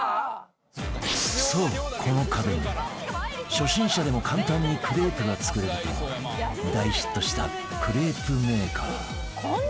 そう、この家電初心者でも簡単にクレープが作れると大ヒットしたクレープメーカー